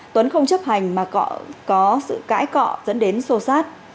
tuấn không chấp hành mà có sự cãi cọ dẫn đến sô sát